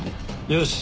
よし。